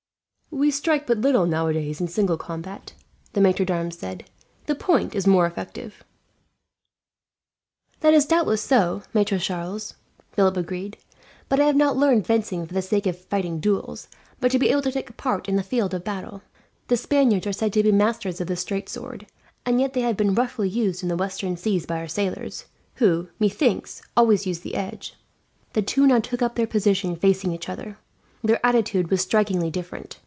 "We strike but little, nowadays, in single combat," the maitre d'armes said. "The point is more effective." "That is doubtless so, Maitre Charles," Philip agreed; "but I have not learned fencing for the sake of fighting duels, but to be able to take my part on a field of battle. The Spaniards are said to be masters of the straight sword, and yet they have been roughly used in the western seas by our sailors; who, methinks, always use the edge." The two now took up their position facing each other. Their attitude was strikingly different.